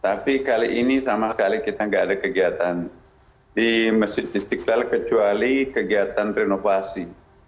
tapi kali ini sama sekali kita nggak ada kegiatan di masjid istiqlal kecuali kegiatan renovasi